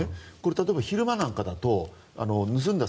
例えば昼間だと盗んだ